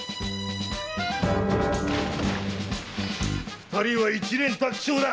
二人は一蓮托生だ！